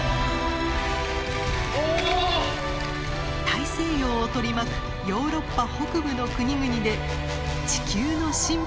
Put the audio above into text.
大西洋を取り巻くヨーロッパ北部の国々で地球の神秘に迫ります。